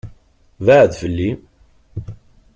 Beɛɛed fell-i!